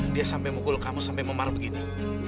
dia sampai mukul kamu sampai memarah begini